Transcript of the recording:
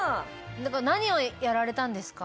何をやられたんですか？